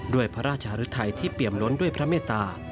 ด้วยพระราชหรือไทยที่เปี่ยมล้นด้วยพระเมตตา